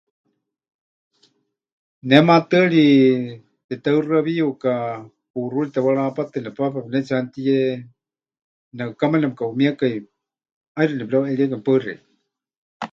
Ne maatɨari teteheuxɨawiyuka puuxúri tewarahapatɨ nepaapa pɨnetsiʼanutiye, neʼɨkamá nemɨkaʼumiekai ʼaixɨ nepɨreuʼeríekai. Paɨ xeikɨ́a.